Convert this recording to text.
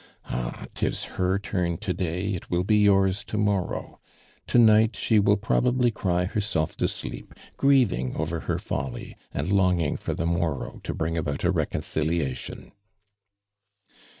Ah, tis her turn today, it will be yours tomor row. Tonight, she will probably cry hcr scrlfto sleep, grieving over her folly, and longing for tho morrow to biing about a i«vi!onciliation.''